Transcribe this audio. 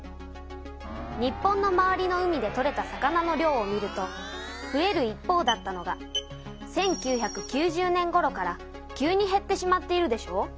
日本の周りの海で取れた魚の量を見るとふえる一方だったのが１９９０年ごろから急にへってしまっているでしょう。